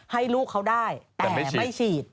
ให้ลูกเขาได้แต่ไม่ฉีด